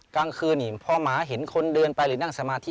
กลางคืนนี่พอหมาเห็นคนเดินไปหรือนั่งสมาธิ